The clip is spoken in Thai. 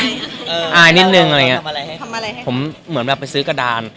วันนี้จะปล่อยให้เป็นหน้าที่เขา